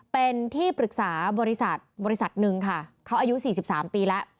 เป็นที่ปรึกษาบริษัทหนึ่งเขาอายุ๔๓ปีแล้ว